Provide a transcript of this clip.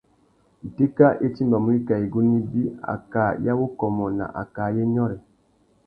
Itéka i timbamú wikā igunú ibi: akā ya wukômô na akā ayê nyôrê.